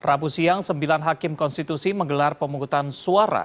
rabu siang sembilan hakim konstitusi menggelar pemungutan suara